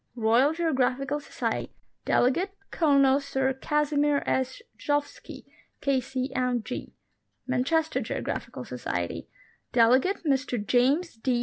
Royal Geographical Society ; delegate, Colonel Sir Casimir S. Gzowski,K.C.M.G. Manchester Geographical Society; delegate, Mr James D.